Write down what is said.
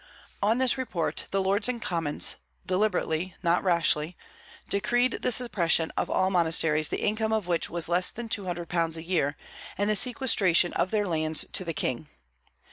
On this report, the Lords and Commons deliberately, not rashly decreed the suppression of all monasteries the income of which was less than two hundred pounds a year, and the sequestration of their lands to the King.